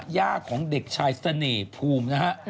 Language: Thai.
ย่าของเด็กชายเสน่ห์ภูมินะฮะ